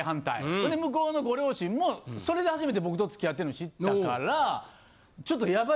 ほんで向こうのご両親もそれで初めて僕と付き合ってるの知ったからちょっとヤバい。